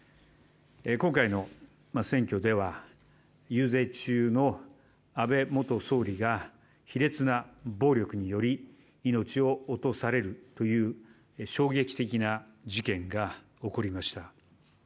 今回の選挙では遊説中の安倍元総理が卑劣な暴力により命を落とされるという衝撃的な事件が起こりました。